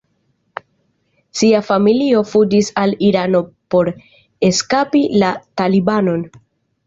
Sia familio fuĝis al Irano por eskapi la Talibanon.